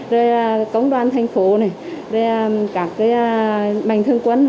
rồi công đoàn thành phố này rồi các cái mảnh thương quân rất nhiều